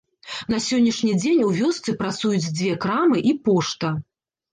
На сённяшні дзень у вёсцы працуюць дзве крамы і пошта.